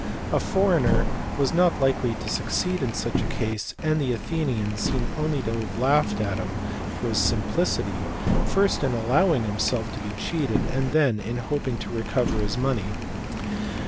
A foreigner was not likely to succeed in such a case, and the Athenians seem only to have laughed at him for his simplicity, first in allowing himself to be cheated, and then in hoping to recover his money.